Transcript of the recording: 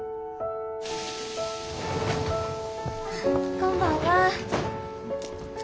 こんばんは。